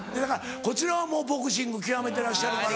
こちらはもうボクシング極めてらっしゃるから。